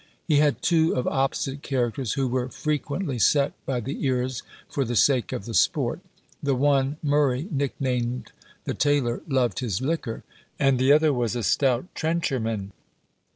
He had two of opposite characters, who were frequently set by the ears for the sake of the sport; the one, Murray, nicknamed "the tailor," loved his liquor; and the other was a stout "trencherman."